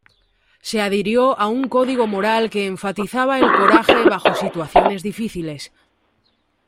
Se adhirió a un código moral que enfatizaba el coraje bajo situaciones difíciles.